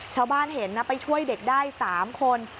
ชาวบ้านเห็นนะไปช่วยเด็กได้๓คน